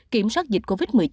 kiểm soát dịch covid một mươi chín